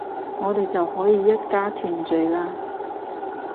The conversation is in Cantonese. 我哋就可以一家團聚喇